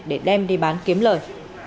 để đem đi bán kiếm lời